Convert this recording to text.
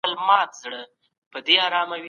ما پرون د پښتو یو نوی کتاب واخیستی